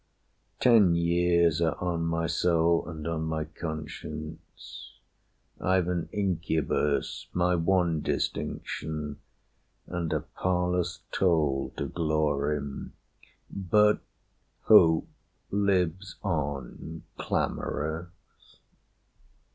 Ten years are on my soul, And on my conscience. I've an incubus: My one distinction, and a parlous toll To glory; but hope lives on clamorous.